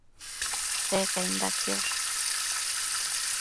Secainda quiosh